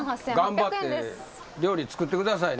頑張って料理作ってくださいね。